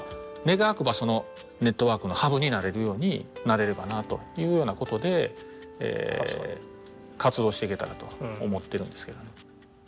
願わくばそのネットワークのハブになれるようになれればなというようなことで活動していけたらと思ってるんですけど。